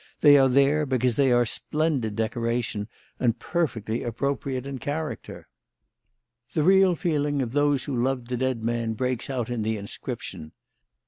They are there because they are splendid decoration and perfectly appropriate in character. The real feeling of those who loved the dead man breaks out in the inscription."